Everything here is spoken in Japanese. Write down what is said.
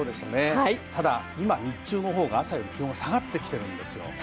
ただ、今、日中のほうが朝より気温が下がってきているんです。